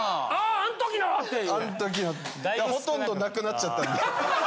あん時のほとんどなくなっちゃったんで。